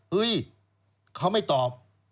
เฮ้ยเขาไม่ตอบ